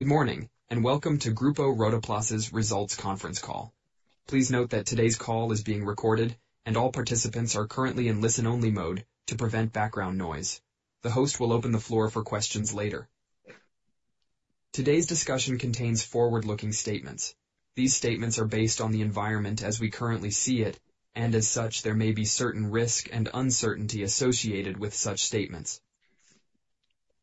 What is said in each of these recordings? Good morning, and welcome to Grupo Rotoplas' Results Conference Call. Please note that today's call is being recorded, and all participants are currently in listen-only mode to prevent background noise. The host will open the floor for questions later. Today's discussion contains forward-looking statements. These statements are based on the environment as we currently see it, and as such, there may be certain risk and uncertainty associated with such statements.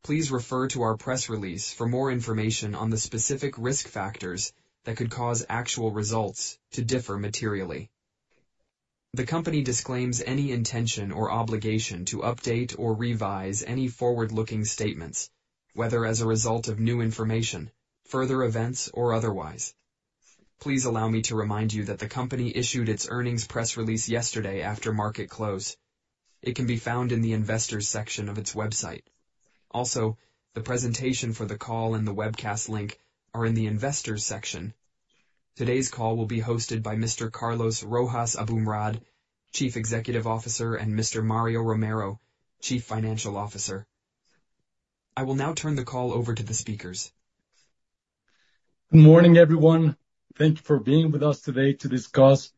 Please refer to our press release for more information on the specific risk factors that could cause actual results to differ materially. The company disclaims any intention or obligation to update or revise any forward-looking statements, whether as a result of new information, further events, or otherwise. Please allow me to remind you that the company issued its earnings press release yesterday after market close. It can be found in the Investors section of its website. Also, the presentation for the call and the webcast link are in the Investors section. Today's call will be hosted by Mr. Carlos Rojas Aboumrad, Chief Executive Officer, and Mr. Mario Romero, Chief Financial Officer. I will now turn the call over to the speakers. Good morning, everyone. Thank you for being with us today to discuss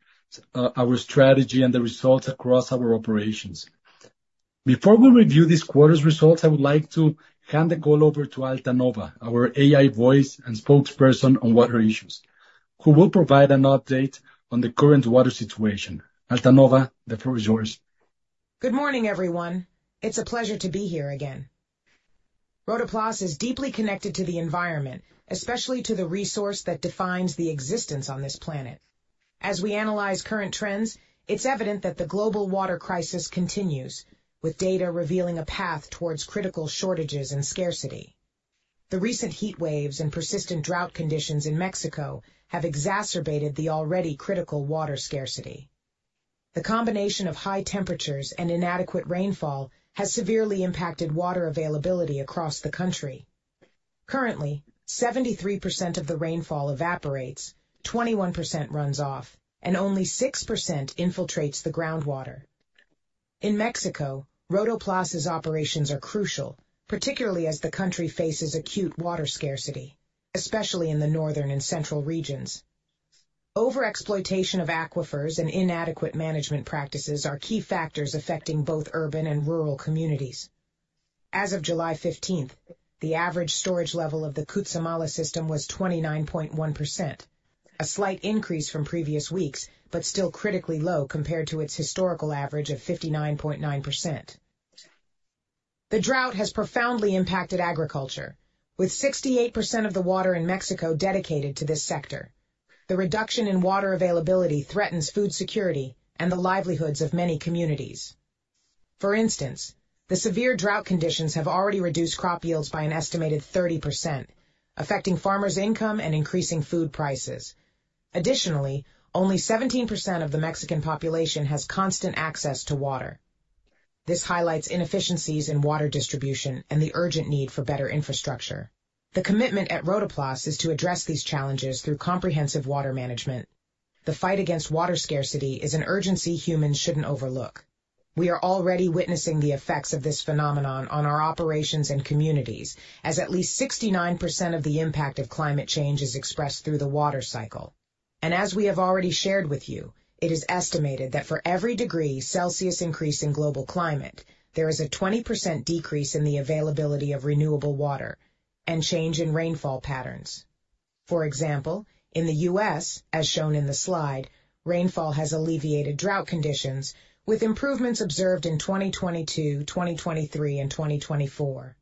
our strategy and the results across our operations. Before we review this quarter's results, I would like to hand the call over to Alta Nova, our AI voice and spokesperson on water issues, who will provide an update on the current water situation. Alta Nova, the floor is yours. Good morning, everyone. It's a pleasure to be here again. Rotoplas is deeply connected to the environment, especially to the resource that defines the existence on this planet. As we analyze current trends, it's evident that the global water crisis continues, with data revealing a path towards critical shortages and scarcity. The recent heatwaves and persistent drought conditions in Mexico have exacerbated the already critical water scarcity. The combination of high temperatures and inadequate rainfall has severely impacted water availability across the country. Currently, 73% of the rainfall evaporates, 21% runs off, and only 6% infiltrates the groundwater. In Mexico, Rotoplas' operations are crucial, particularly as the country faces acute water scarcity, especially in the northern and central regions. Overexploitation of aquifers and inadequate management practices are key factors affecting both urban and rural communities. As of July fifteenth, the average storage level of the Cutzamala System was 29.1%, a slight increase from previous weeks, but still critically low compared to its historical average of 59.9%. The drought has profoundly impacted agriculture, with 68% of the water in Mexico dedicated to this sector. The reduction in water availability threatens food security and the livelihoods of many communities. For instance, the severe drought conditions have already reduced crop yields by an estimated 30%, affecting farmers' income and increasing food prices. Additionally, only 17% of the Mexican population has constant access to water. This highlights inefficiencies in water distribution and the urgent need for better infrastructure. The commitment at Rotoplas is to address these challenges through comprehensive water management. The fight against water scarcity is an urgency humans shouldn't overlook. We are already witnessing the effects of this phenomenon on our operations and communities, as at least 69% of the impact of climate change is expressed through the water cycle. As we have already shared with you, it is estimated that for every degree Celsius increase in global climate, there is a 20% decrease in the availability of renewable water and change in rainfall patterns. For example, in the U.S., as shown in the slide, rainfall has alleviated drought conditions, with improvements observed in 2022, 2023, and 2024.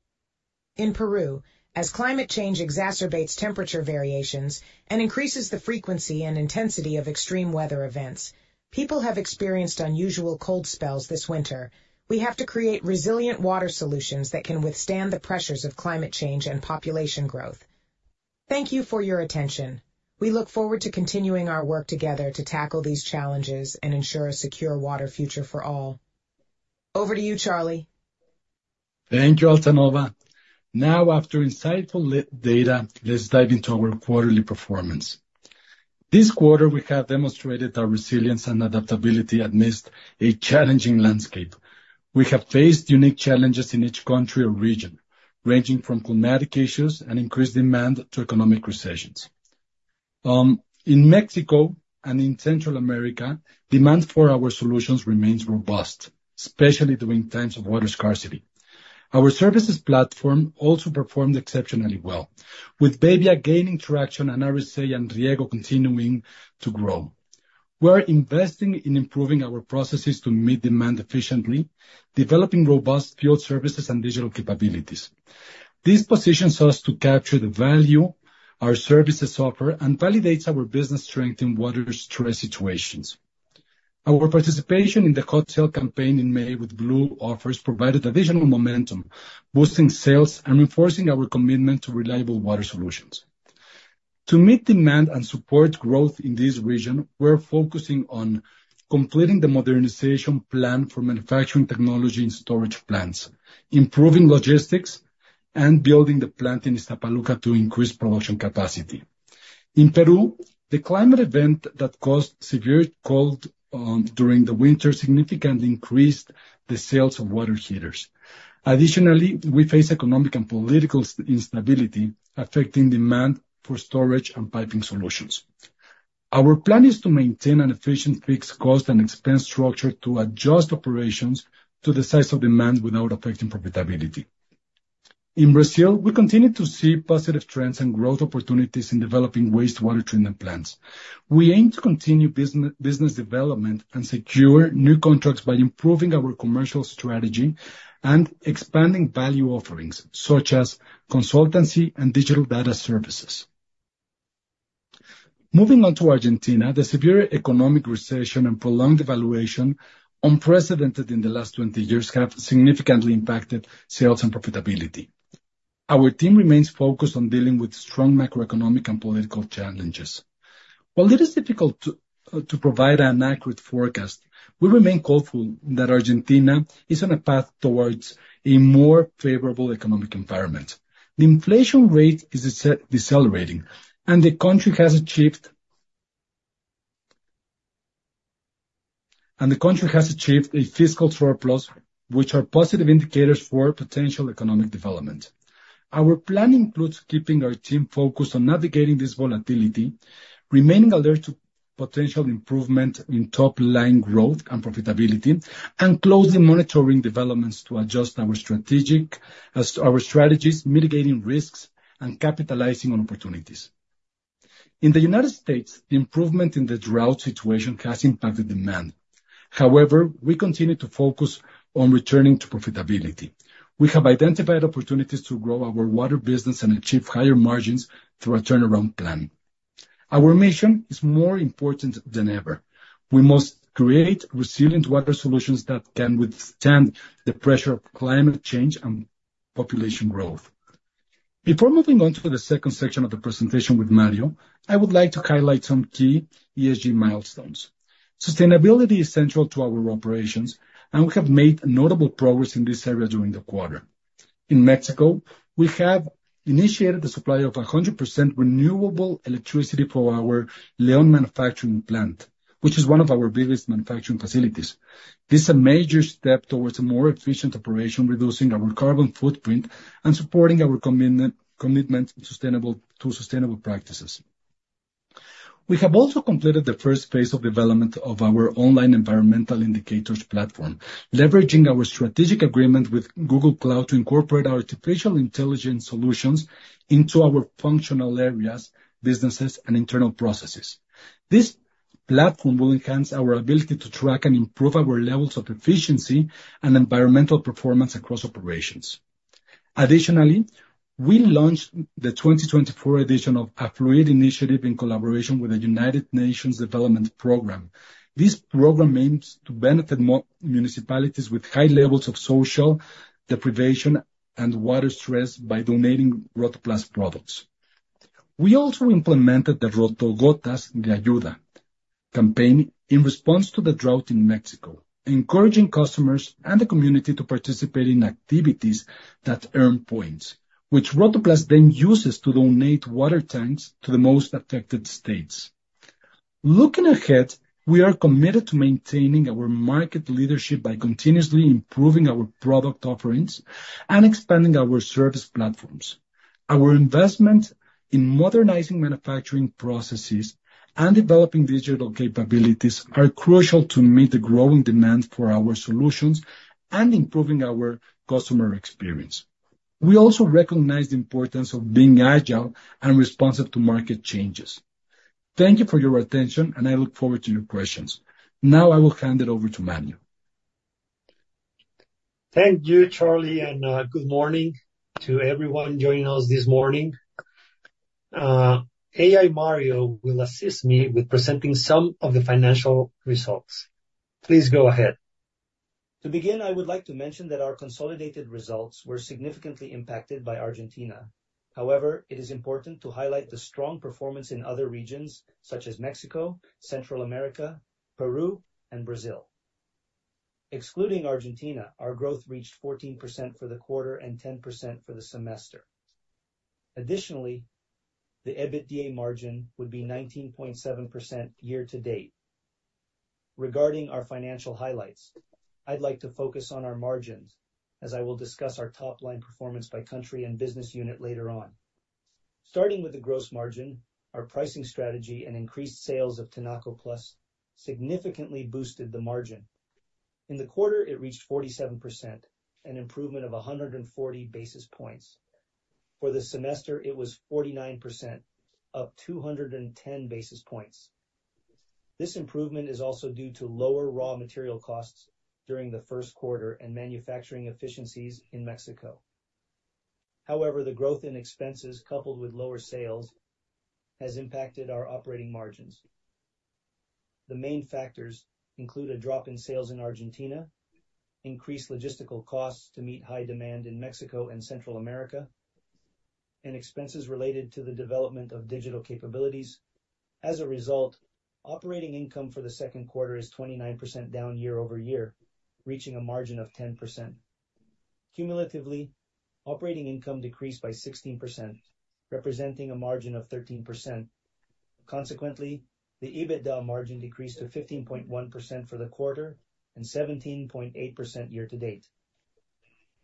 In Peru, as climate change exacerbates temperature variations and increases the frequency and intensity of extreme weather events, people have experienced unusual cold spells this winter. We have to create resilient water solutions that can withstand the pressures of climate change and population growth. Thank you for your attention. We look forward to continuing our work together to tackle these challenges and ensure a secure water future for all. Over to you, Charlie. Thank you, Alta Nova. Now, after insightful live data, let's dive into our quarterly performance. This quarter, we have demonstrated our resilience and adaptability amidst a challenging landscape. We have faced unique challenges in each country or region, ranging from climatic issues and increased demand to economic recessions. In Mexico and in Central America, demand for our solutions remains robust, especially during times of water scarcity. Our services platform also performed exceptionally well, with bebbia gaining traction and RSA and rieggo continuing to grow. We're investing in improving our processes to meet demand efficiently, developing robust field services and digital capabilities. This positions us to capture the value our services offer and validates our business strength in water stress situations. Our participation in the Hot Sale campaign in May with Blue offers provided additional momentum, boosting sales and reinforcing our commitment to reliable water solutions. To meet demand and support growth in this region, we're focusing on completing the modernization plan for manufacturing technology and storage plants, improving logistics, and building the plant in Ixtapaluca to increase production capacity. In Peru, the climate event that caused severe cold during the winter significantly increased the sales of water heaters. Additionally, we face economic and political instability, affecting demand for storage and piping solutions. Our plan is to maintain an efficient fixed cost and expense structure to adjust operations to the size of demand without affecting profitability. In Brazil, we continue to see positive trends and growth opportunities in developing wastewater treatment plants. We aim to continue business development and secure new contracts by improving our commercial strategy and expanding value offerings, such as consultancy and digital data services. Moving on to Argentina, the severe economic recession and prolonged devaluation, unprecedented in the last 20 years, have significantly impacted sales and profitability. Our team remains focused on dealing with strong macroeconomic and political challenges. While it is difficult to provide an accurate forecast, we remain hopeful that Argentina is on a path towards a more favorable economic environment. The inflation rate is decelerating, and the country has achieved a fiscal surplus, which are positive indicators for potential economic development. Our plan includes keeping our team focused on navigating this volatility, remaining alert to potential improvement in top-line growth and profitability, and closely monitoring developments to adjust our strategies, mitigating risks and capitalizing on opportunities. In the United States, the improvement in the drought situation has impacted demand. However, we continue to focus on returning to profitability. We have identified opportunities to grow our water business and achieve higher margins through our turnaround plan. Our mission is more important than ever. We must create resilient water solutions that can withstand the pressure of climate change and population growth. Before moving on to the second section of the presentation with Mario, I would like to highlight some key ESG milestones. Sustainability is central to our operations, and we have made notable progress in this area during the quarter. In Mexico, we have initiated the supply of 100% renewable electricity for our León manufacturing plant, which is one of our biggest manufacturing facilities. This is a major step towards a more efficient operation, reducing our carbon footprint and supporting our commitment to sustainable practices. We have also completed the first phase of development of our online environmental indicators platform, leveraging our strategic agreement with Google Cloud to incorporate our artificial intelligence solutions into our functional areas, businesses, and internal processes. This platform will enhance our ability to track and improve our levels of efficiency and environmental performance across operations. Additionally, we launched the 2024 edition of A Fluir Initiative in collaboration with the United Nations Development Program. This program aims to benefit more municipalities with high levels of social deprivation and water stress by donating Rotoplas products. We also implemented the Rotogotas de Ayuda campaign in response to the drought in Mexico, encouraging customers and the community to participate in activities that earn points, which Rotoplas then uses to donate water tanks to the most affected states. Looking ahead, we are committed to maintaining our market leadership by continuously improving our product offerings and expanding our service platforms. Our investment in modernizing manufacturing processes and developing digital capabilities are crucial to meet the growing demand for our solutions and improving our customer experience. We also recognize the importance of being agile and responsive to market changes. Thank you for your attention, and I look forward to your questions. Now, I will hand it over to Mario. Thank you, Charlie, and, good morning to everyone joining us this morning. AI Mario will assist me with presenting some of the financial results. Please go ahead. To begin, I would like to mention that our consolidated results were significantly impacted by Argentina. However, it is important to highlight the strong performance in other regions, such as Mexico, Central America, Peru, and Brazil. Excluding Argentina, our growth reached 14% for the quarter and 10% for the semester. Additionally, the EBITDA margin would be 19.7% year to date. Regarding our financial highlights, I'd like to focus on our margins, as I will discuss our top-line performance by country and business unit later on. Starting with the gross margin, our pricing strategy and increased sales of Tinaco Plus significantly boosted the margin. In the quarter, it reached 47%, an improvement of 140 basis points. For the semester, it was 49%, up 210 basis points. This improvement is also due to lower raw material costs during the first quarter and manufacturing efficiencies in Mexico. However, the growth in expenses, coupled with lower sales, has impacted our operating margins. The main factors include a drop in sales in Argentina, increased logistical costs to meet high demand in Mexico and Central America, and expenses related to the development of digital capabilities. As a result, operating income for the second quarter is 29% down year-over-year, reaching a margin of 10%. Cumulatively, operating income decreased by 16%, representing a margin of 13%. Consequently, the EBITDA margin decreased to 15.1% for the quarter and 17.8% year-to-date.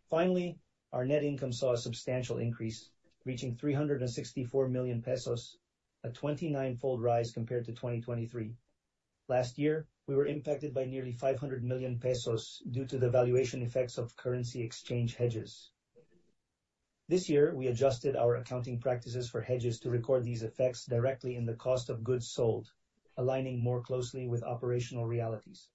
Finally, our net income saw a substantial increase, reaching 364 million pesos, a 29-fold rise compared to 2023. Last year, we were impacted by nearly 500 million pesos due to the valuation effects of currency exchange hedges. This year, we adjusted our accounting practices for hedges to record these effects directly in the cost of goods sold, aligning more closely with operational realities.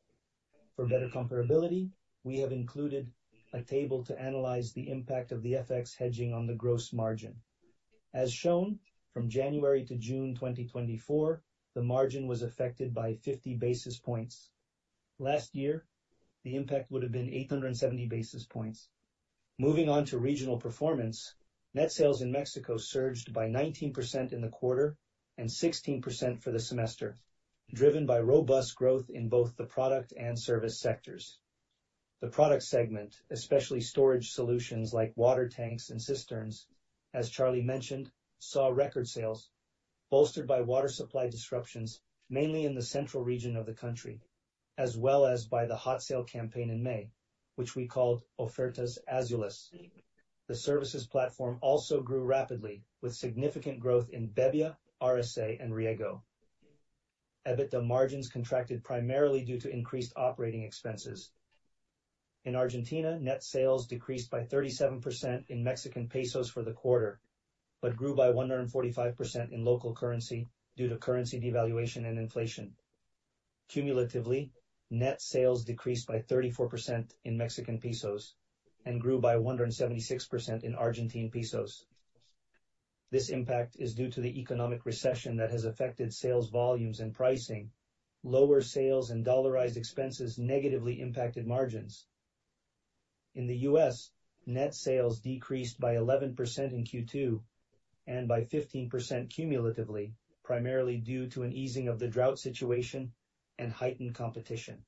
For better comparability, we have included a table to analyze the impact of the FX hedging on the gross margin. As shown, from January to June 2024, the margin was affected by 50 basis points. Last year, the impact would have been 870 basis points. Moving on to regional performance, net sales in Mexico surged by 19% in the quarter and 16% for the semester, driven by robust growth in both the product and service sectors. The product segment, especially storage solutions like water tanks and cisterns, as Charlie mentioned, saw record sales bolstered by water supply disruptions, mainly in the central region of the country, as well as by the Hot Sale campaign in May, which we called Ofertas Azules. The services platform also grew rapidly, with significant growth in bebbia, RSA, and rieggo. EBITDA margins contracted primarily due to increased operating expenses. In Argentina, net sales decreased by 37% in Mexican pesos for the quarter, but grew by 145% in local currency due to currency devaluation and inflation. Cumulatively, net sales decreased by 34% in Mexican pesos and grew by 176% in Argentine pesos. This impact is due to the economic recession that has affected sales volumes and pricing. Lower sales and dollarized expenses negatively impacted margins. In the U.S., net sales decreased by 11% in Q2 and by 15% cumulatively, primarily due to an easing of the drought situation and heightened competition.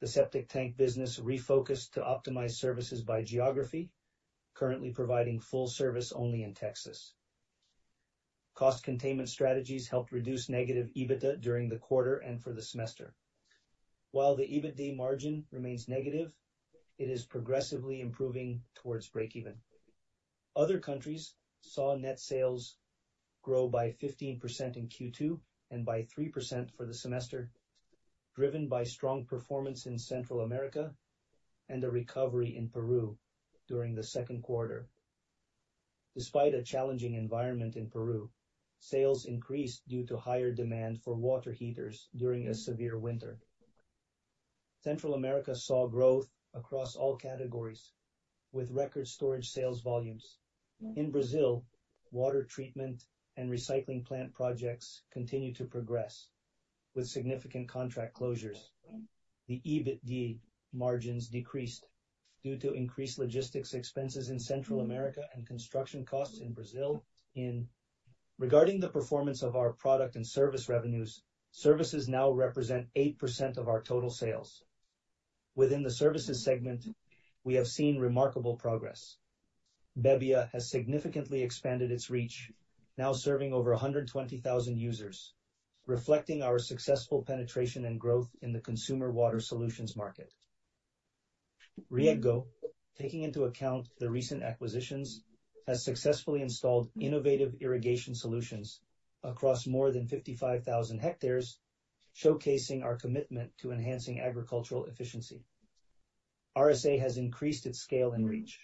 The septic tank business refocused to optimize services by geography, currently providing full service only in Texas. Cost containment strategies helped reduce negative EBITDA during the quarter and for the semester. While the EBITDA margin remains negative, it is progressively improving towards breakeven. Other countries saw net sales grow by 15% in Q2 and by 3% for the semester, driven by strong performance in Central America and a recovery in Peru during the second quarter. Despite a challenging environment in Peru, sales increased due to higher demand for water heaters during a severe winter. Central America saw growth across all categories, with record storage sales volumes. In Brazil, water treatment and recycling plant projects continue to progress with significant contract closures. The EBITDA margins decreased due to increased logistics expenses in Central America and construction costs in Brazil. In regarding the performance of our product and service revenues, services now represent 8% of our total sales. Within the services segment, we have seen remarkable progress. Bebbia has significantly expanded its reach, now serving over 120,000 users, reflecting our successful penetration and growth in the consumer water solutions market. Rieggo, taking into account the recent acquisitions, has successfully installed innovative irrigation solutions across more than 55,000 hectares, showcasing our commitment to enhancing agricultural efficiency. RSA has increased its scale and reach,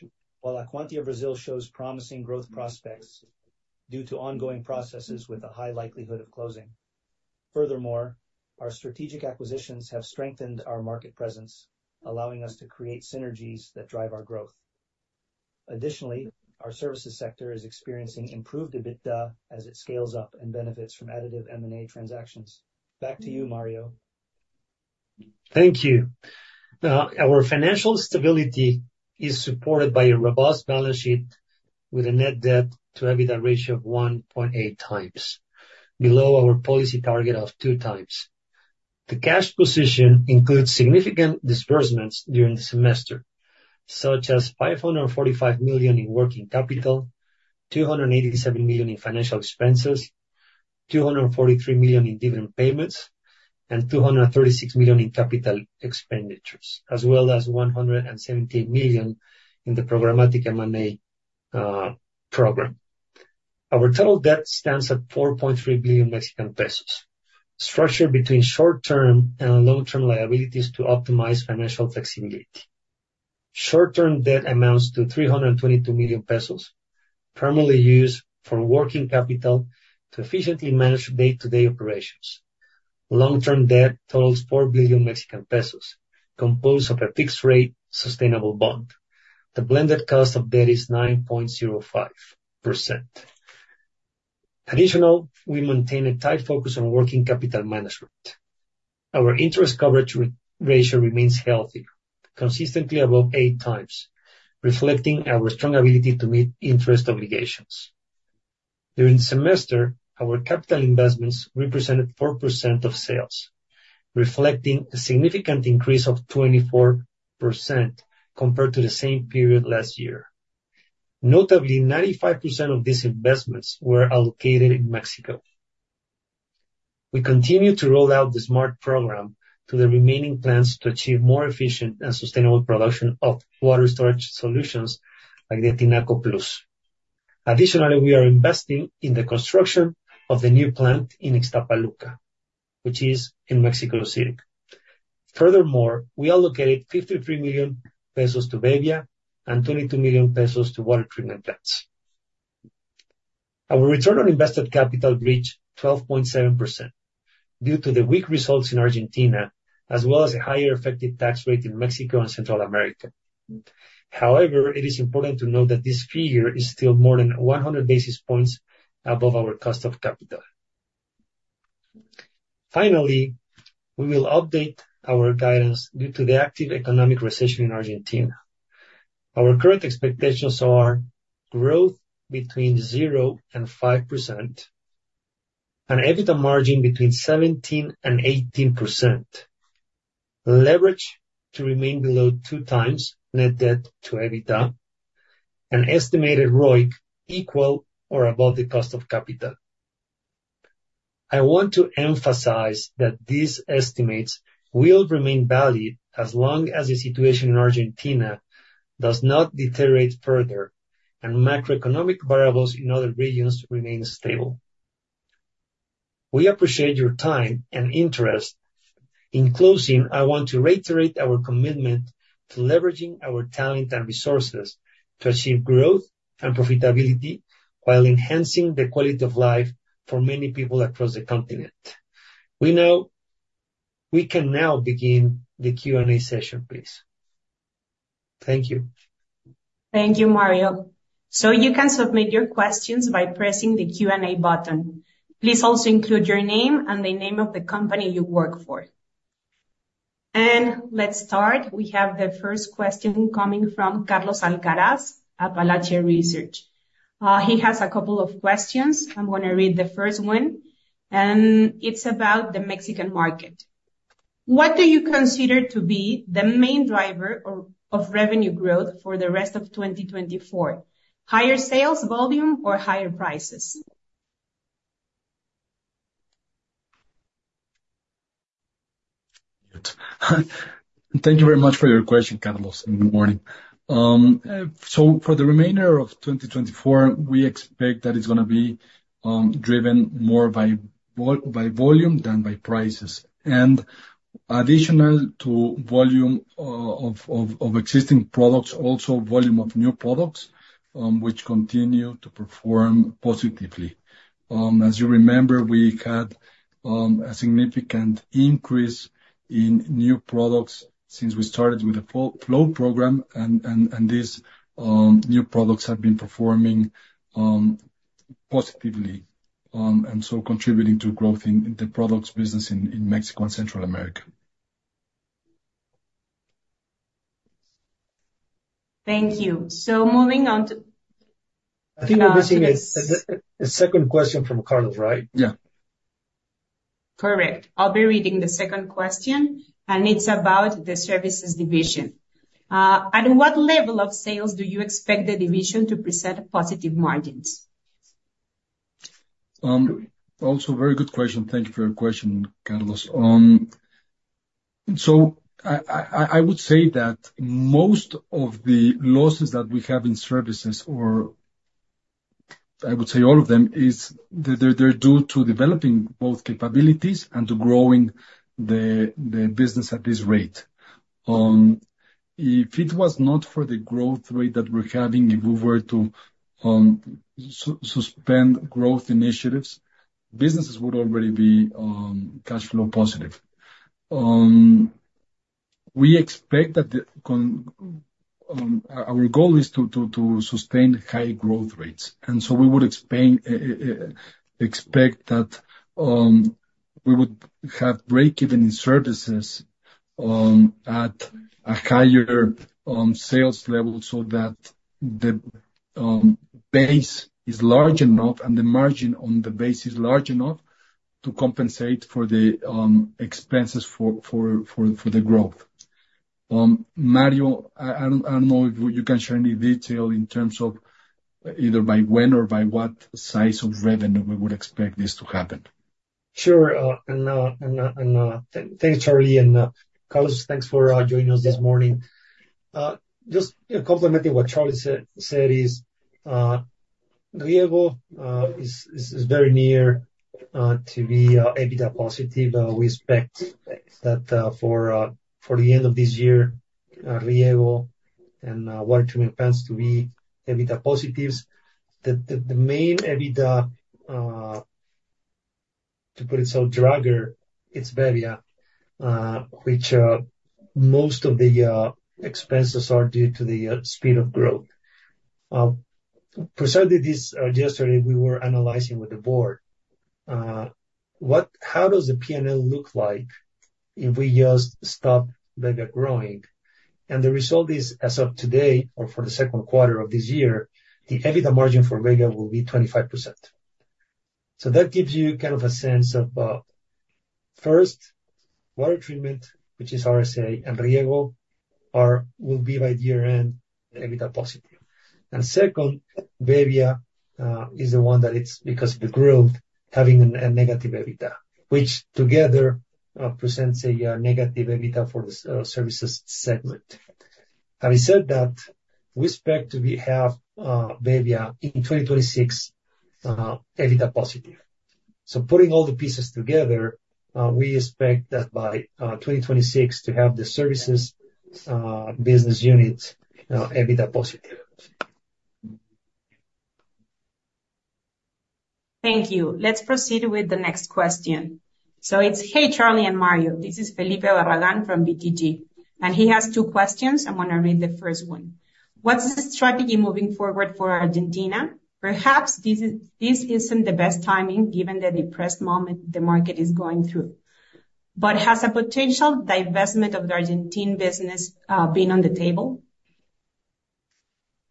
while Acqualimp Brazil shows promising growth prospects due to ongoing processes with a high likelihood of closing. Furthermore, our strategic acquisitions have strengthened our market presence, allowing us to create synergies that drive our growth. Additionally, our services sector is experiencing improved EBITDA as it scales up and benefits from additive M&A transactions. Back to you, Mario. Thank you. Now, our financial stability is supported by a robust balance sheet with a net debt to EBITDA ratio of 1.8 times, below our policy target of 2 times. The cash position includes significant disbursements during the semester, such as 545 million in working capital, 287 million in financial expenses, 243 million in dividend payments, and 236 million in capital expenditures, as well as 117 million in the programmatic M&A program. Our total debt stands at 4.3 billion Mexican pesos, structured between short-term and long-term liabilities to optimize financial flexibility. Short-term debt amounts to 322 million pesos, primarily used for working capital to efficiently manage day-to-day operations. Long-term debt totals 4 billion Mexican pesos, composed of a fixed rate sustainable bond. The blended cost of debt is 9.05%. Additionally, we maintain a tight focus on working capital management. Our interest coverage ratio remains healthy, consistently above 8 times, reflecting our strong ability to meet interest obligations. During the semester, our capital investments represented 4% of sales, reflecting a significant increase of 24% compared to the same period last year. Notably, 95% of these investments were allocated in Mexico. We continue to roll out the SMART program to the remaining plants to achieve more efficient and sustainable production of water storage solutions, like the Tinaco Plus. Additionally, we are investing in the construction of the new plant in Ixtapaluca, which is in Mexico City. Furthermore, we allocated 53 million pesos to bebbia and 22 million pesos to water treatment plants. Our return on invested capital reached 12.7% due to the weak results in Argentina, as well as a higher effective tax rate in Mexico and Central America. However, it is important to note that this figure is still more than 100 basis points above our cost of capital. Finally, we will update our guidance due to the active economic recession in Argentina. Our current expectations are growth between 0% and 5%, an EBITDA margin between 17% and 18%, leverage to remain below 2x net debt to EBITDA, an estimated ROIC equal or above the cost of capital. I want to emphasize that these estimates will remain valid as long as the situation in Argentina does not deteriorate further and macroeconomic variables in other regions remain stable. We appreciate your time and interest. In closing, I want to reiterate our commitment to leveraging our talent and resources to achieve growth and profitability while enhancing the quality of life for many people across the continent. We know, we can now begin the Q&A session, please. Thank you. Thank you, Mario. So you can submit your questions by pressing the Q&A button. Please also include your name and the name of the company you work for. And let's start. We have the first question coming from Carlos Alcaraz at Apalache Research. He has a couple of questions. I'm gonna read the first one, and it's about the Mexican market. What do you consider to be the main driver or, of revenue growth for the rest of 2024? Higher sales volume or higher prices? Thank you very much for your question, Carlos, and good morning. So for the remainder of 2024, we expect that it's gonna be driven more by volume than by prices. And additional to volume of existing products, also volume of new products, which continue to perform positively. As you remember, we had a significant increase in new products since we started with the Flow program, and these new products have been performing positively, and so contributing to growth in the products business in Mexico and Central America. Thank you. Moving on to- I think we're missing a second question from Carlos, right? Yeah. Correct. I'll be reading the second question, and it's about the services division. At what level of sales do you expect the division to present positive margins? Also, very good question. Thank you for your question, Carlos. I would say that most of the losses that we have in services, or I would say all of them, is. They're due to developing both capabilities and to growing the business at this rate. If it was not for the growth rate that we're having, if we were to suspend growth initiatives, businesses would already be cash flow positive. We expect that the con... Our goal is to sustain high growth rates, and so we would expect that we would have breakeven in services at a higher sales level, so that the base is large enough and the margin on the base is large enough to compensate for the expenses for the growth. Mario, I don't know if you can share any detail in terms of either by when or by what size of revenue we would expect this to happen. Sure, thanks, Charlie, and Carlos, thanks for joining us this morning. Just complementing what Charlie said is rieggo is very near to be EBITDA positive. We expect that for the end of this year, rieggo and water treatment plants to be EBITDA positives. The main drag on EBITDA, it's bebbia, which most of the expenses are due to the speed of growth. Precisely, yesterday we were analyzing with the board. What, how does the P&L look like if we just stop bebbia growing? And the result is, as of today, or for the second quarter of this year, the EBITDA margin for bebbia will be 25%. So that gives you kind of a sense of, first, water treatment, which is RSA and rieggo, are, will be by year-end, EBITDA positive. And second, bebbia, is the one that it's because of the growth, having a, a negative EBITDA, which together, presents a, negative EBITDA for the, services segment. Having said that, we expect to be have, bebbia in 2026, EBITDA positive. So putting all the pieces together, we expect that by, 2026 to have the services, business unit, EBITDA positive. Thank you. Let's proceed with the next question. So it's: Hey, Charlie and Mario, this is Felipe Barragán from BTG, and he has two questions. I'm gonna read the first one. What's the strategy moving forward for Argentina? Perhaps this is, this isn't the best timing, given the depressed moment the market is going through. But has a potential divestment of the Argentine business been on the table?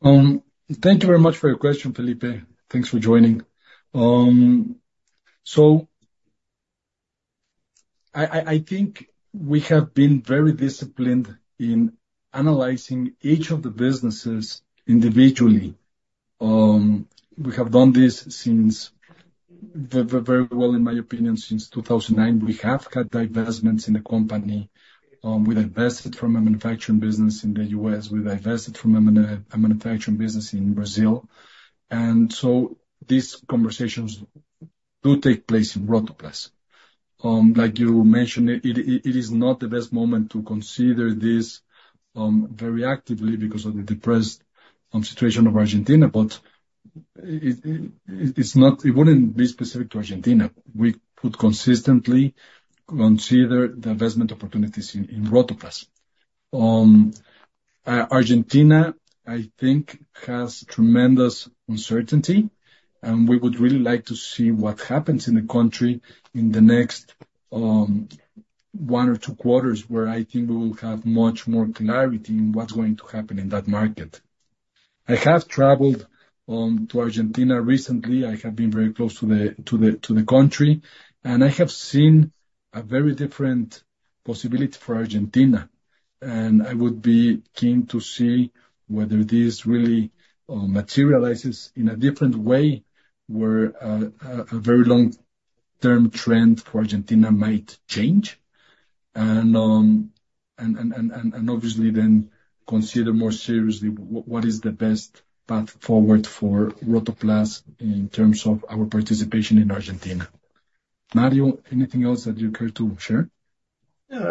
Thank you very much for your question, Felipe. Thanks for joining. So I think we have been very disciplined in analyzing each of the businesses individually. We have done this very well, in my opinion, since 2009. We have cut divestments in the company. We divested from a manufacturing business in the U.S., we divested from a manufacturing business in Brazil, and so these conversations do take place in Rotoplas. Like you mentioned, it is not the best moment to consider this very actively because of the depressed situation of Argentina, but it's not... It wouldn't be specific to Argentina. We could consistently consider the investment opportunities in Rotoplas. Argentina, I think, has tremendous uncertainty, and we would really like to see what happens in the country in the next one or two quarters, where I think we will have much more clarity in what's going to happen in that market. I have traveled to Argentina recently. I have been very close to the country, and I have seen a very different possibility for Argentina, and I would be keen to see whether this really materializes in a different way, where a very long-term trend for Argentina might change. And obviously then consider more seriously what is the best path forward for Rotoplas in terms of our participation in Argentina. Mario, anything else that you'd care to share?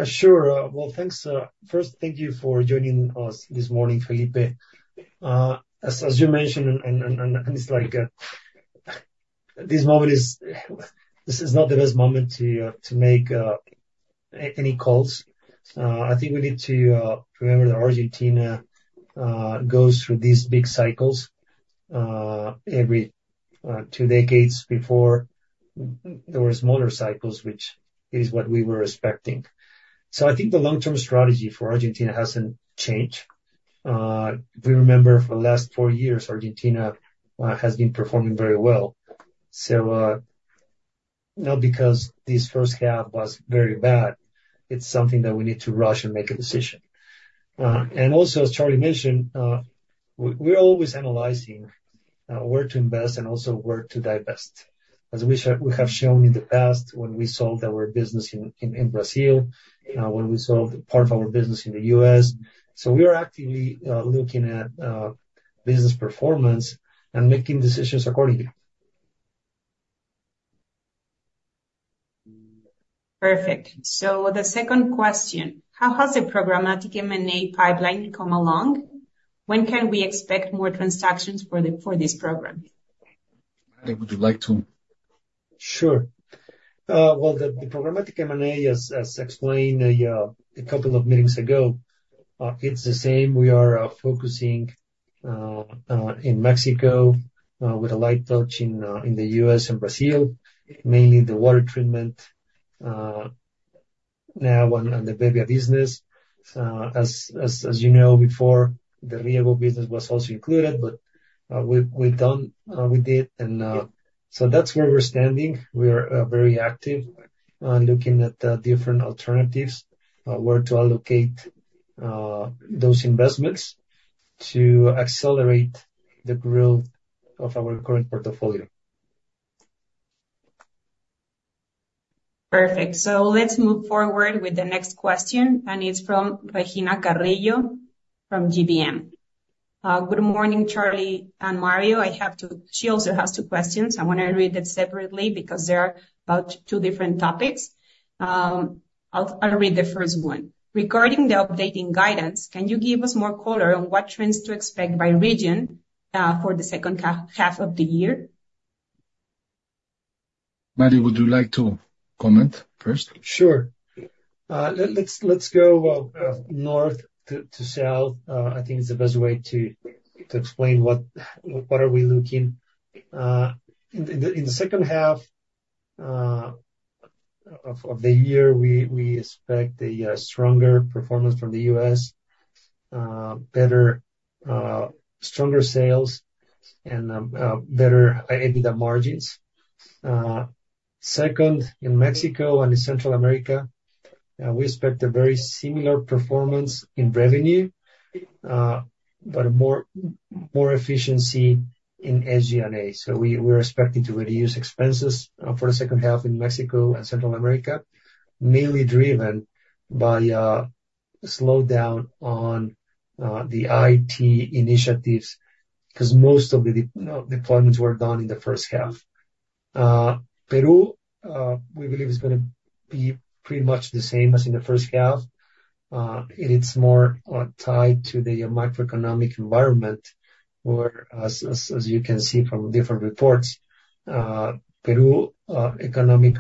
Sure. Well, thanks. First, thank you for joining us this morning, Felipe. As you mentioned, and it's like, this is not the best moment to make any calls. I think we need to remember that Argentina goes through these big cycles every two decades. Before, there were smaller cycles, which is what we were expecting. So I think the long-term strategy for Argentina hasn't changed. If we remember, for the last four years, Argentina has been performing very well. So, not because this first half was very bad, it's something that we need to rush and make a decision. And also, as Charlie mentioned, we're always analyzing where to invest and also where to divest. As we have shown in the past, when we sold our business in Brazil, when we sold part of our business in the US. So we are actively looking at business performance and making decisions accordingly. Perfect. So the second question: How has the programmatic M&A pipeline come along? When can we expect more transactions for this program? Mario, would you like to? Sure. Well, the programmatic M&A, as explained a couple of meetings ago, it's the same. We are focusing in Mexico, with a light touch in the US and Brazil, mainly the water treatment now and the bebbia business. As you know, before, the rieggo business was also included, but we've done, we did, and so that's where we're standing. We are very active looking at different alternatives where to allocate those investments to accelerate the growth of our current portfolio. Perfect. So let's move forward with the next question, and it's from Regina Carrillo, from GBM. Good morning, Charlie and Mario. She also has two questions. I'm gonna read them separately because they're about two different topics. I'll read the first one. Regarding the updating guidance, can you give us more color on what trends to expect by region, for the second half of the year? Mario, would you like to comment first? Sure. Let's go north to south. I think it's the best way to explain what we're looking. In the second half of the year, we expect a stronger performance from the U.S., better, stronger sales and better EBITDA margins. Second, in Mexico and in Central America, we expect a very similar performance in revenue, but more efficiency in SG&A. So we're expecting to reduce expenses for the second half in Mexico and Central America, mainly driven by a slowdown on the IT initiatives, 'cause most of the deployments were done in the first half. Peru, we believe is gonna be pretty much the same as in the first half. It's more tied to the microeconomic environment, whereas you can see from different reports, Peru economic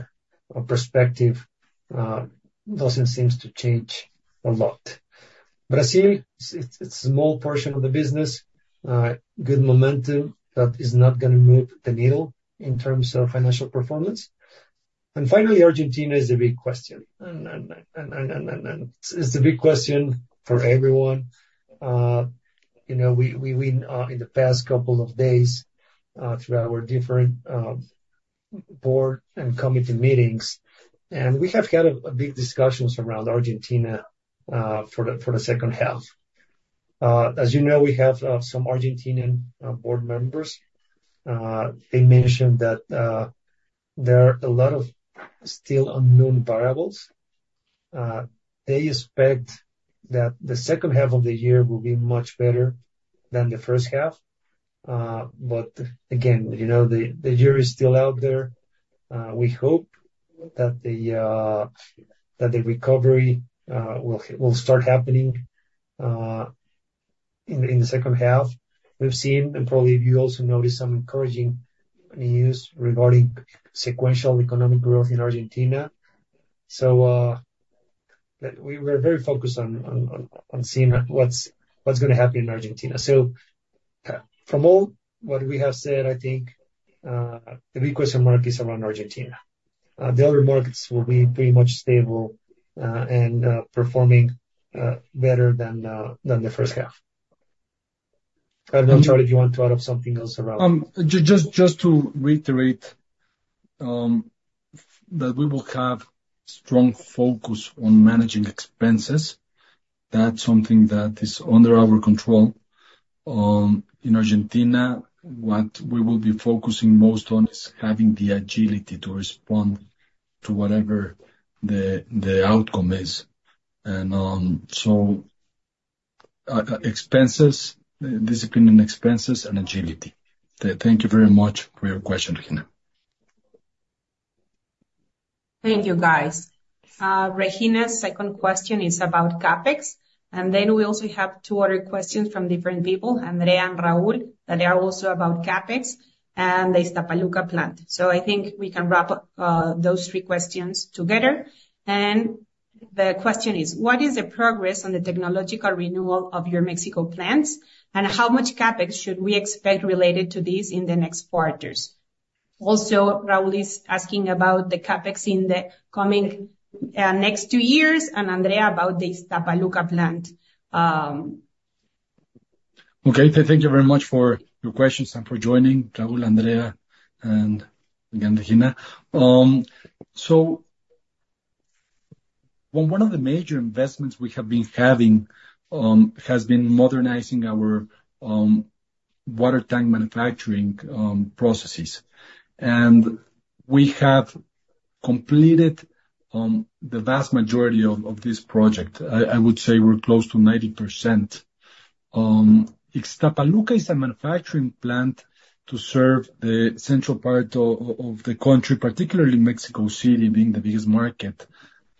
perspective doesn't seems to change a lot. Brazil, it's a small portion of the business, good momentum that is not gonna move the needle in terms of financial performance. And finally, Argentina is a big question. It's a big question for everyone. You know, we in the past couple of days through our different board and committee meetings, and we have had a big discussions around Argentina for the second half. As you know, we have some Argentinian board members. They mentioned that there are a lot of still unknown variables. They expect that the second half of the year will be much better than the first half. But again, you know, the jury is still out there. We hope that the recovery will start happening in the second half. We've seen, and probably you also noticed some encouraging news regarding sequential economic growth in Argentina. So, that we were very focused on seeing what's gonna happen in Argentina. So from all what we have said, I think, the big question mark is around Argentina. The other markets will be pretty much stable, and performing better than the first half. I don't know, Charles, if you want to add up something else around? Just to reiterate, that we will have strong focus on managing expenses. That's something that is under our control. In Argentina, what we will be focusing most on is having the agility to respond to whatever the outcome is. Expenses, discipline in expenses and agility. Thank you very much for your question, Regina. Thank you, guys. Regina's second question is about CapEx, and then we also have two other questions from different people, Andrea and Raul, that are also about CapEx and the Ixtapaluca plant. So I think we can wrap up those three questions together. And the question is: What is the progress on the technological renewal of your Mexico plants, and how much CapEx should we expect related to this in the next quarters? Also, Raul is asking about the CapEx in the coming next two years, and Andrea about the Ixtapaluca plant. Okay. Thank you very much for your questions and for joining, Raul, Andrea, and again, Regina. So, well, one of the major investments we have been having has been modernizing our water tank manufacturing processes. And we have completed the vast majority of this project. I would say we're close to 90%. Ixtapaluca is a manufacturing plant to serve the central part of the country, particularly Mexico City being the biggest market.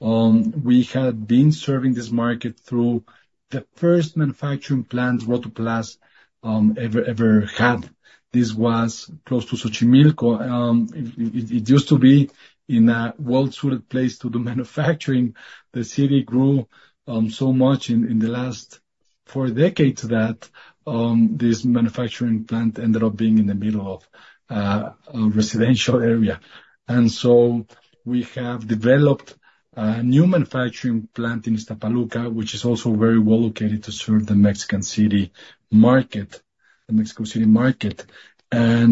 We had been serving this market through the first manufacturing plant Rotoplas ever had. This was close to Xochimilco. It used to be in a well-suited place to do manufacturing. The city grew so much in the last four decades that this manufacturing plant ended up being in the middle of a residential area. We have developed a new manufacturing plant in Ixtapaluca, which is also very well located to serve the Mexico City market. We have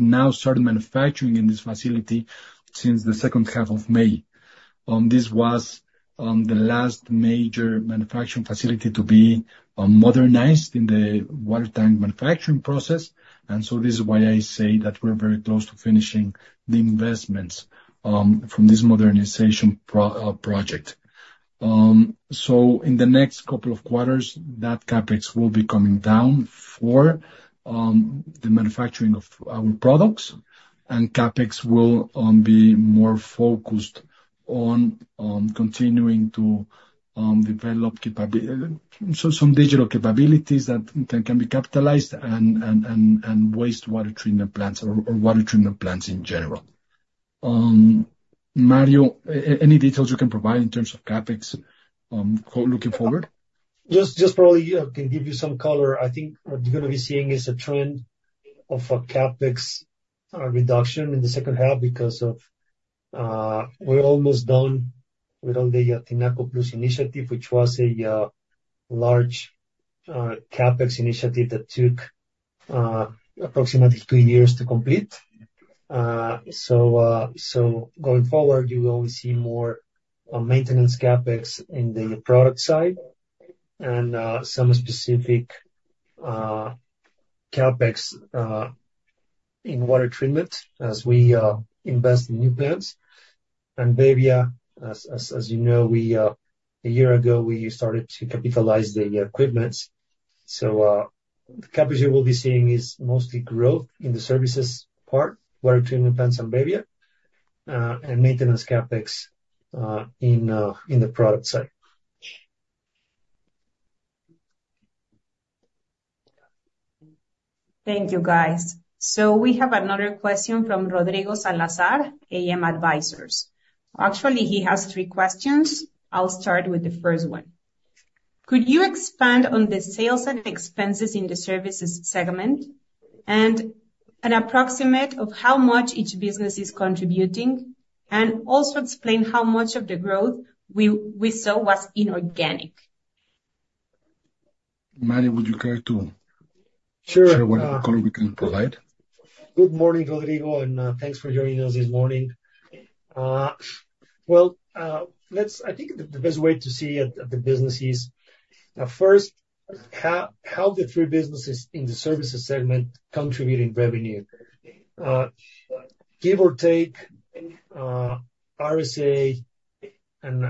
now started manufacturing in this facility since the second half of May. This was the last major manufacturing facility to be modernized in the water tank manufacturing process, and so this is why I say that we're very close to finishing the investments from this modernization project. So in the next couple of quarters, that CapEx will be coming down for the manufacturing of our products, and CapEx will be more focused on continuing to develop some digital capabilities that can be capitalized and wastewater treatment plants or water treatment plants in general. Mario, any details you can provide in terms of CapEx going forward? Probably, I can give you some color. I think what you're gonna be seeing is a trend of a CapEx reduction in the second half because we're almost done with all the Tinaco Plus initiative, which was a large CapEx initiative that took approximately three years to complete. So going forward, you will see more maintenance CapEx in the product side and some specific CapEx in water treatment as we invest in new plants. And bebbia, as you know, a year ago, we started to capitalize the equipment. So the CapEx you will be seeing is mostly growth in the services part, water treatment plants and bebbia, and maintenance CapEx in the product side. Thank you, guys. So we have another question from Rodrigo Salazar, AM Advisors. Actually, he has three questions. I'll start with the first one. Could you expand on the sales and expenses in the services segment, and an approximate of how much each business is contributing, and also explain how much of the growth we saw was inorganic? Mario, would you care to- Sure. Share what color we can provide? Good morning, Rodrigo, and thanks for joining us this morning. Let's... I think the best way to see it, the business is first, how the three businesses in the services segment contribute in revenue. Give or take, RSA and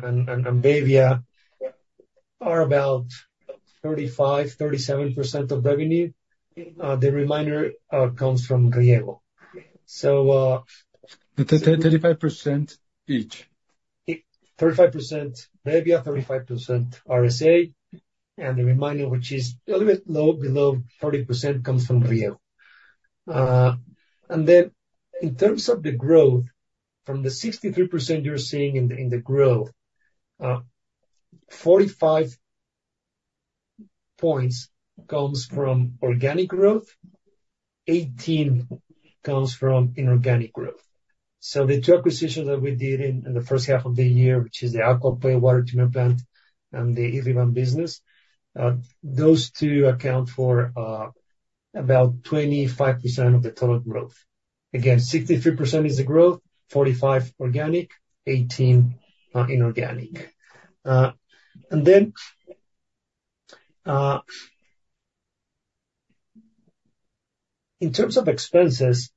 bebbia are about 35%-37% of revenue. The remainder comes from rieggo. So- 35% each. 35% bebbia, 35% RSA, and the remaining, which is a little bit low, below 40%, comes from rieggo. And then in terms of the growth, from the 63% you're seeing in the growth, 45 points comes from organic growth, 18 comes from inorganic growth. So the two acquisitions that we did in the first half of the year, which is the Agua de Puebla Water Treatment Plant and the E-One business, those two account for about 25% of the total growth. Again, 63% is the growth, 45 organic, 18 inorganic. And then in terms of expenses,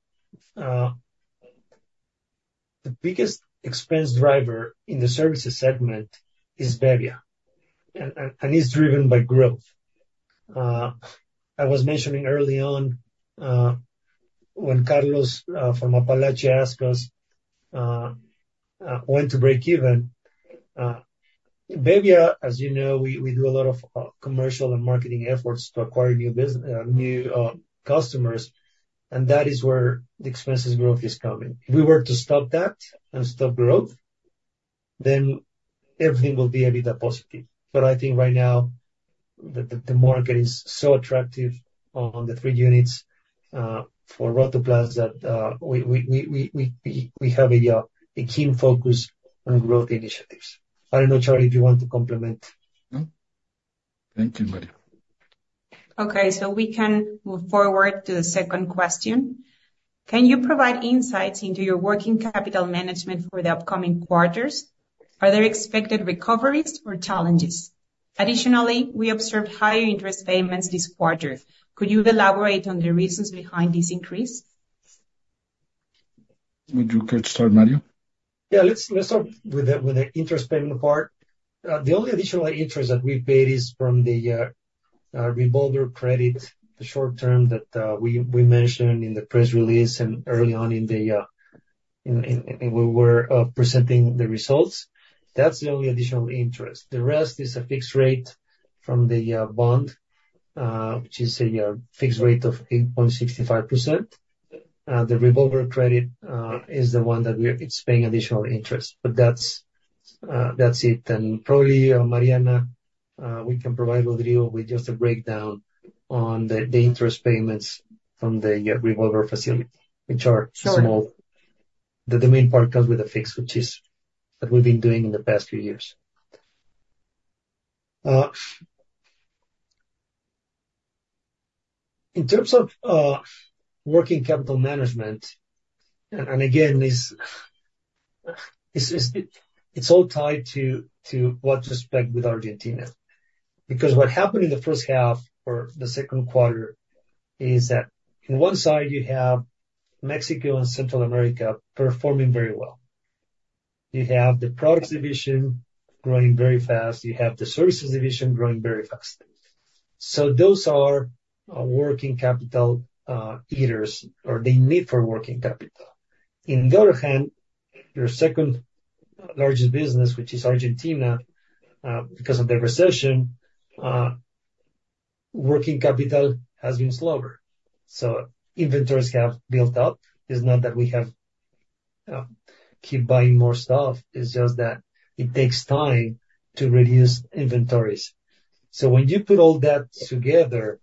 the biggest expense driver in the services segment is bebbia, and it's driven by growth. I was mentioning early on, when Carlos from Apalache asked us, when to break even, bebbia, as you know, we do a lot of commercial and marketing efforts to acquire new customers, and that is where the expenses growth is coming. If we were to stop that and stop growth, then everything will be a bit positive. But I think right now, the market is so attractive on the three units for Rotoplas that we have a keen focus on growth initiatives. I don't know, Charlie, if you want to complement. No, thank you, Mario. Okay, so we can move forward to the second question. Can you provide insights into your working capital management for the upcoming quarters? Are there expected recoveries or challenges? Additionally, we observed higher interest payments this quarter. Could you elaborate on the reasons behind this increase? Would you care to start, Mario? Yeah, let's start with the interest payment part. The only additional interest that we paid is from the revolver credit, the short term that we mentioned in the press release and early on in the presentation of the results. That's the only additional interest. The rest is a fixed rate from the bond, which is a fixed rate of 8.65%. The revolver credit is the one that we are, it's paying additional interest, but that's it. And probably, Mariana, we can provide Rodrigo with just a breakdown on the interest payments from the revolver facility, which are- Sure. So, the main part comes with a fixed, which is what we've been doing in the past few years. In terms of working capital management, and again, it's all tied to what just spoke with Argentina. Because what happened in the first half or the second quarter is that on one side you have Mexico and Central America performing very well. You have the products division growing very fast. You have the services division growing very fast. So those are working capital eaters, or they need for working capital. On the other hand, your second largest business, which is Argentina, because of the recession, working capital has been slower, so inventories have built up. It's not that we have keep buying more stuff, it's just that it takes time to reduce inventories. So when you put all that together,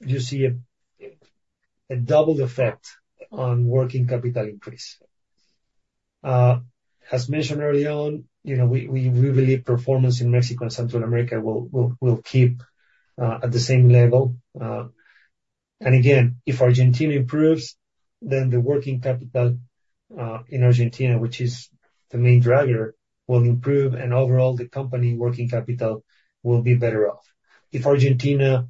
you see a double effect on working capital increase. As mentioned early on, you know, we believe performance in Mexico and Central America will keep at the same level. And again, if Argentina improves, then the working capital in Argentina, which is the main driver, will improve, and overall, the company working capital will be better off. If Argentina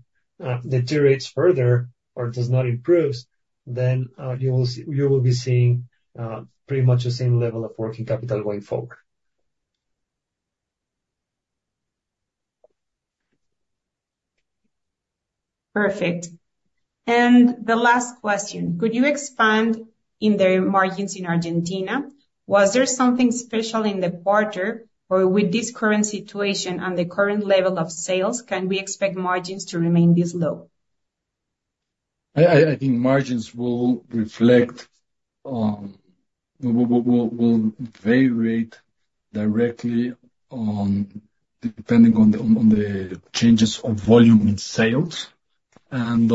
deteriorates further or does not improves, then you will see, you will be seeing pretty much the same level of working capital going forward. Perfect. And the last question: Could you expand on the margins in Argentina? Was there something special in the quarter, or with this current situation and the current level of sales, can we expect margins to remain this low? I think margins will reflect, will vary directly, depending on the changes of volume in sales. And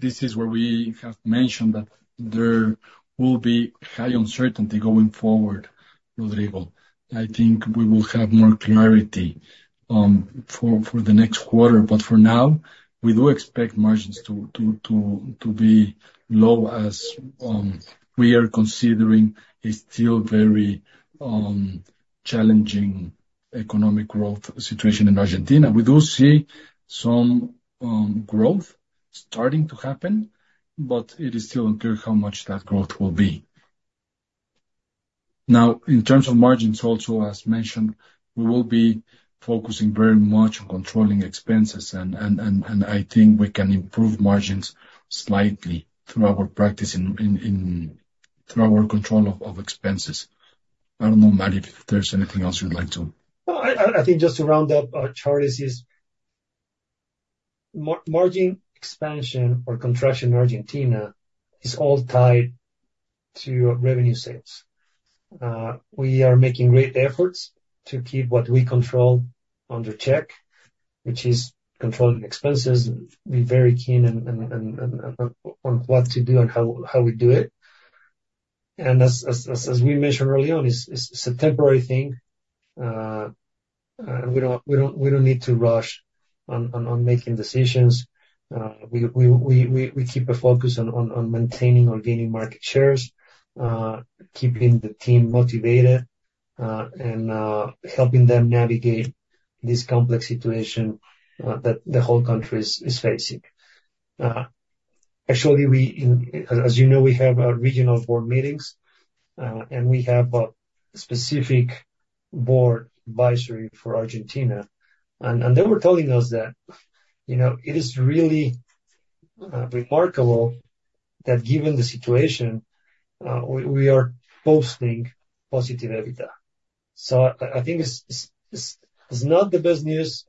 this is where we have mentioned that there will be high uncertainty going forward, Rodrigo. I think we will have more clarity for the next quarter, but for now, we do expect margins to be low as we are considering a still very challenging economic growth situation in Argentina. We do see some growth starting to happen, but it is still unclear how much that growth will be. Now, in terms of margins, also, as mentioned, we will be focusing very much on controlling expenses, and I think we can improve margins slightly through our control of expenses. I don't know, Mario, if there's anything else you'd like to- Well, I think just to round up, Charlie's margin expansion or contraction in Argentina is all tied to revenue sales. We are making great efforts to keep what we control under check, which is controlling expenses. We're very keen on what to do and how we do it. And as we mentioned early on, it's a temporary thing. We don't need to rush on making decisions. We keep a focus on maintaining or gaining market shares, keeping the team motivated, and helping them navigate this complex situation that the whole country is facing. Actually, as you know, we have regional board meetings, and we have a specific board advisory for Argentina. And they were telling us that, you know, it is really remarkable that given the situation, we are posting positive EBITDA. So I think it's not the best news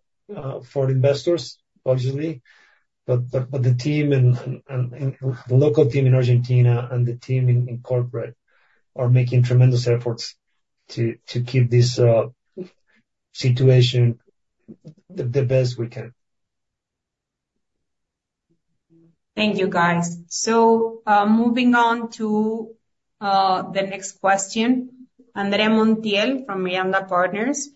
for investors, obviously, but the team and the local team in Argentina and the team in corporate are making tremendous efforts to keep this situation the best we can. Thank you, guys. So, moving on to the next question, Andrea Montiel from Miranda Partners.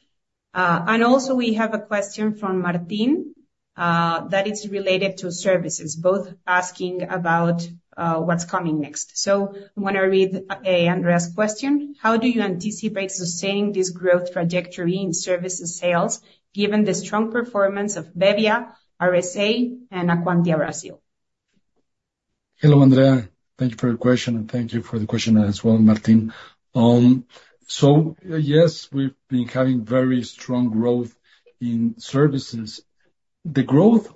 And also we have a question from Martin that is related to services, both asking about what's coming next. So I'm gonna read Andrea's question: How do you anticipate sustaining this growth trajectory in services sales, given the strong performance of bebbia, RSA, and Acqualimp Brazil? Hello, Andrea. Thank you for your question, and thank you for the question as well, Martin. So yes, we've been having very strong growth in services. The growth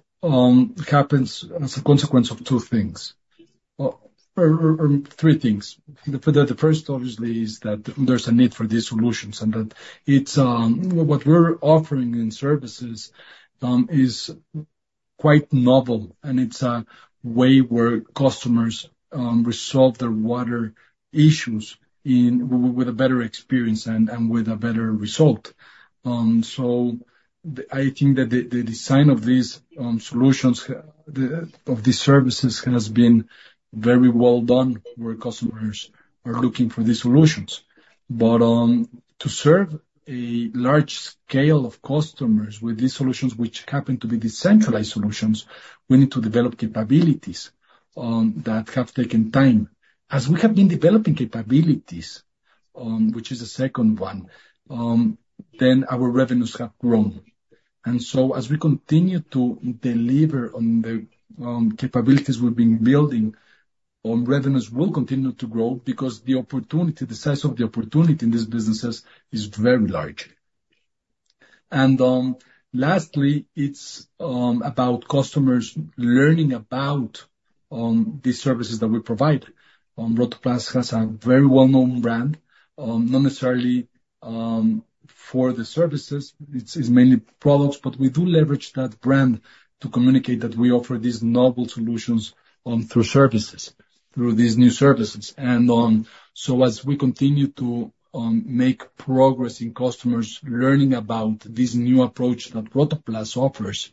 happens as a consequence of two things, or three things. The first, obviously, is that there's a need for these solutions, and that it's what we're offering in services is quite novel, and it's a way where customers resolve their water issues in with a better experience and with a better result. So, I think that the design of these solutions, of these services has been very well done, where customers are looking for these solutions. But to serve a large scale of customers with these solutions, which happen to be decentralized solutions, we need to develop capabilities that have taken time. As we have been developing capabilities, which is the second one, then our revenues have grown. And so as we continue to deliver on the capabilities we've been building, revenues will continue to grow because the opportunity, the size of the opportunity in these businesses is very large. And, lastly, it's about customers learning about the services that we provide. Rotoplas has a very well-known brand, not necessarily for the services, it's mainly products, but we do leverage that brand to communicate that we offer these novel solutions through services, through these new services. And, so as we continue to make progress in customers learning about this new approach that Rotoplas offers,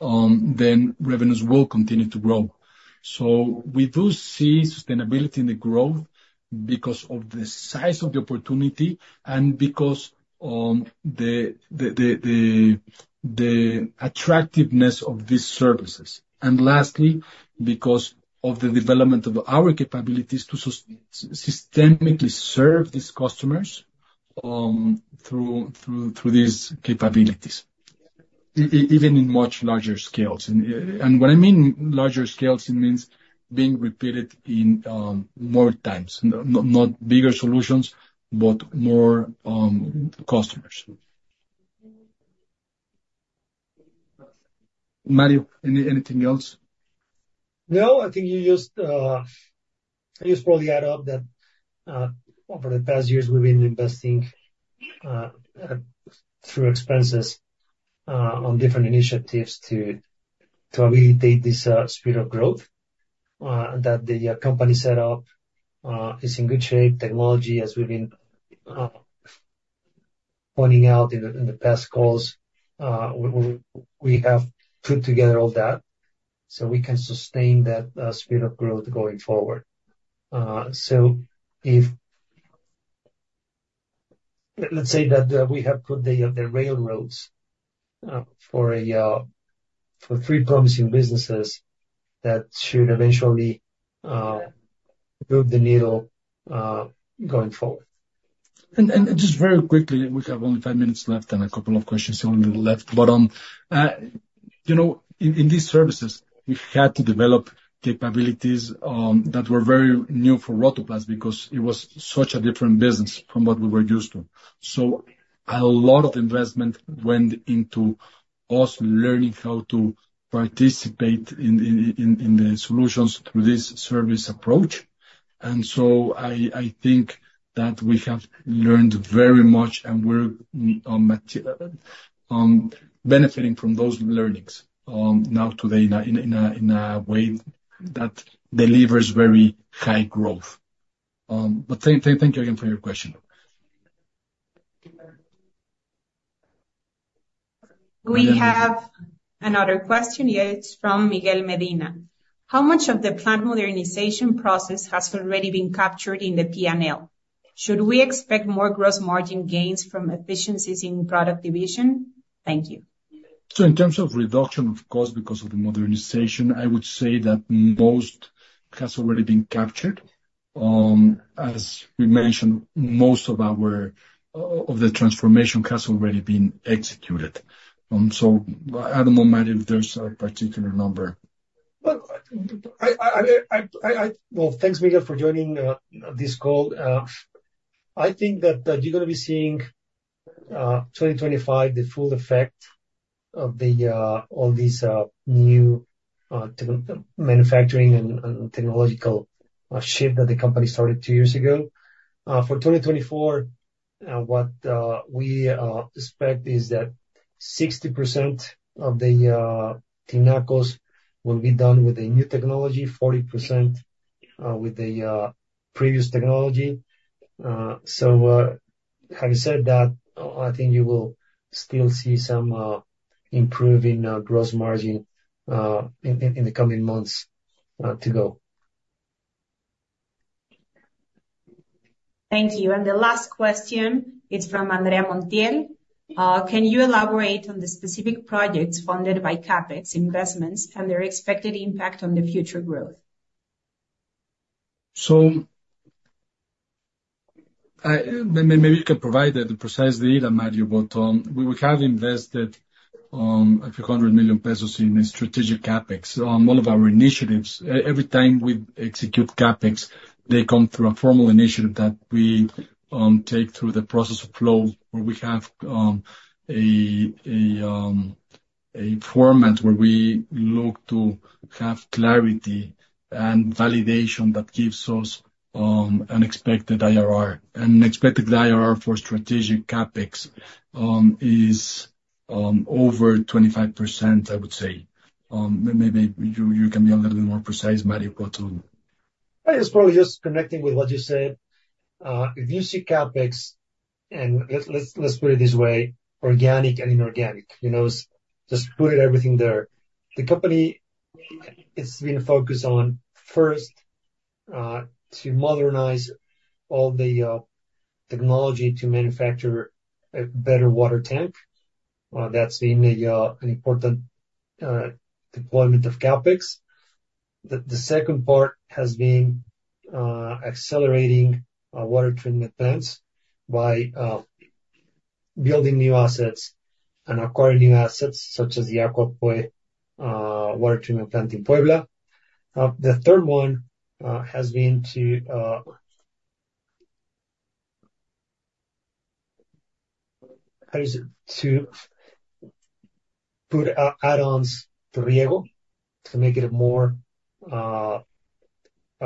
then revenues will continue to grow. So we do see sustainability in the growth because of the size of the opportunity and because the attractiveness of these services. And lastly, because of the development of our capabilities to systemically serve these customers through these capabilities, even in much larger scales. And what I mean larger scales, it means being repeated in more times, not bigger solutions, but more customers. Mario, anything else? No, I think you just, you just probably add up that, over the past years, we've been investing, through expenses, on different initiatives to, to alleviate this, speed of growth, that the company set up, is in good shape. Technology, as we've been, pointing out in the, in the past calls, we have put together all that, so we can sustain that, speed of growth going forward. So if... let's say that, we have put the, the railroads, for a, for three promising businesses that should eventually, move the needle, going forward. Just very quickly, we have only five minutes left and a couple of questions only left. But, you know, in these services, we've had to develop capabilities that were very new for Rotoplas because it was such a different business from what we were used to. So a lot of investment went into also learning how to participate in the solutions through this service approach. And so I think that we have learned very much, and we're benefiting from those learnings now today, in a way that delivers very high growth. But thank you again for your question. We have another question. It's from Miguel Medina. How much of the plant modernization process has already been captured in the P&L? Should we expect more gross margin gains from efficiencies in product division? Thank you. In terms of reduction, of course, because of the modernization, I would say that most has already been captured. As we mentioned, most of our transformation has already been executed. I don't know, Mario, if there's a particular number. Well, thanks, Miguel, for joining this call. I think that you're gonna be seeing 2025, the full effect of all these new manufacturing and technological shift that the company started two years ago. For 2024, what we expect is that 60% of the Tinacos will be done with the new technology, 40% with the previous technology. So, having said that, I think you will still see some improving gross margin in the coming months to go. Thank you. The last question is from Andrea Montiel. Can you elaborate on the specific projects funded by CapEx investments and their expected impact on the future growth? So, maybe you can provide the precise data, Mario, but we have invested a few hundred million MXN in strategic CapEx. All of our initiatives, every time we execute CapEx, they come through a formal initiative that we take through the process flow, where we have a format where we look to have clarity and validation that gives us an expected IRR. And expected IRR for strategic CapEx is over 25%, I would say. Maybe you can be a little bit more precise, Mario, but I was probably just connecting with what you said. If you see CapEx, and let's put it this way, organic and inorganic, you know, just putting everything there. The company is being focused on, first, to modernize all the technology to manufacture a better water tank. That's been a, an important deployment of CapEx. The second part has been accelerating water treatment plants by building new assets and acquiring new assets, such as the Aquapue water treatment plant in Puebla. The third one has been to put add-ons to rieggo, to make it a more, a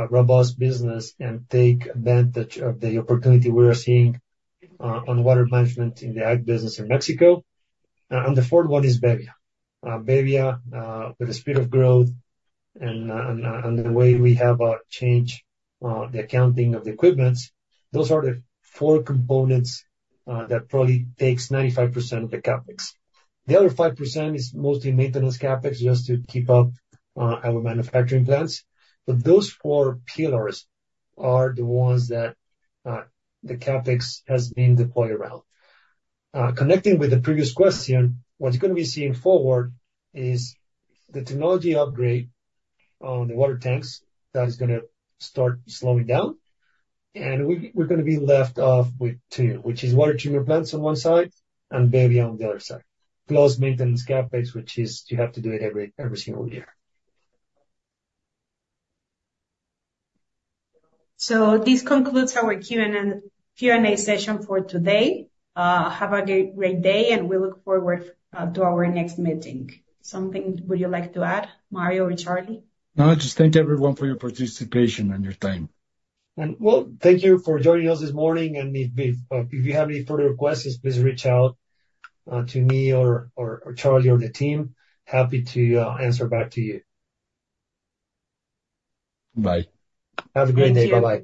robust business and take advantage of the opportunity we are seeing on water management in the ag business in Mexico. And the fourth one is bebbia. Bebbia, with the speed of growth and, and the way we have changed the accounting of the equipments, those are the four components that probably takes 95% of the CapEx. The other 5% is mostly maintenance CapEx, just to keep up our manufacturing plants. But those four pillars are the ones that the CapEx has been deployed around. Connecting with the previous question, what you're gonna be seeing forward is the technology upgrade on the water tanks. That is gonna start slowing down, and we're gonna be left off with two, which is water treatment plants on one side and bebbia on the other side. Plus, maintenance CapEx, which is you have to do it every, every single year. This concludes our Q&A session for today. Have a great day, and we look forward to our next meeting. Anything would you like to add, Mario or Charlie? No, just thank everyone for your participation and your time. Well, thank you for joining us this morning, and if you have any further requests, just please reach out to me or Charlie or the team. Happy to answer back to you. Bye. Have a great day. Thank you. Bye-bye.